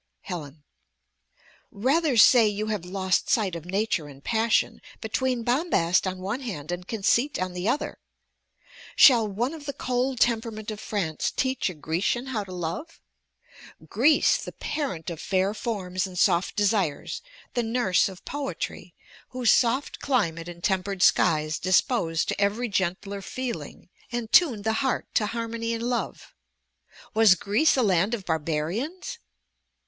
Helen Rather say you have lost sight of nature and passion, between bombast on one hand and conceit on the other. Shall one of the cold temperament of France teach a Grecian how to love? Greece, the parent of fair forms and soft desires, the nurse of poetry, whose soft climate and tempered skies disposed to every gentler feeling, and tuned the heart to harmony and love! was Greece a land of barbarians?